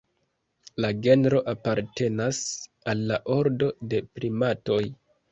La genro apartenas al la ordo de primatoj.